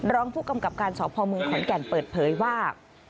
รองผู้กำกับการสพเมืองขอนแก่นเปิดเผยว่า